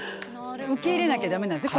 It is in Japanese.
受け入れなきゃ駄目なんですね。